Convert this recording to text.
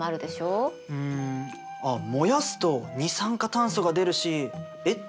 うん。あっ燃やすと二酸化炭素が出るしえっ